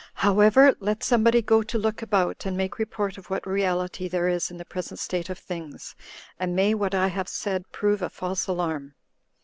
However, let somebody go to look about, and make report of what reality there is in the present state of things; and may what I have said prove a false alarm."